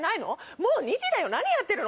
もう２時だよ何やってるの？